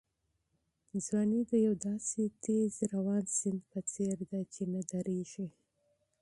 ځواني د یو داسې تېز روان سیند په څېر ده چې نه درېږي.